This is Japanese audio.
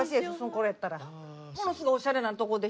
これやったら。